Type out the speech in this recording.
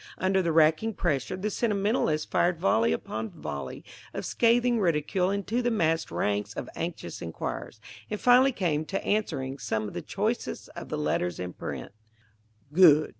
Under the racking pressure, the sentimentalist fired volley upon volley of scathing ridicule into the massed ranks of anxious inquirers, and finally came to answering some of the choicest of the letters in print. "Good!"